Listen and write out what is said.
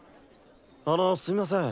あのすみません。